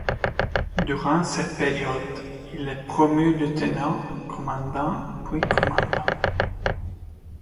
Durant cette période, il est promu lieutenant-commandant puis commandant.